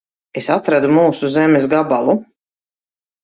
Es atradu mūsu zemes gabalu.